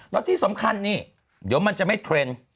แล้วที่สำคัญนี่เดี๋ยวมันจะไม่เทรนด์